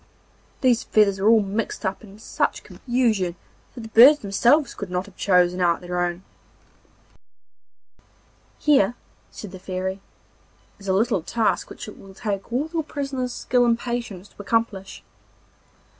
These feathers were all mixed up in such confusion that the birds themselves could not have chosen out their own. 'Here,' said the Fairy, 'is a little task which it will take all your prisoner's skill and patience to accomplish.